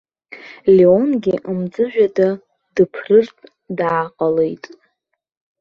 Леонгьы мҵәыжәҩада дыԥрыртә дааҟалеит.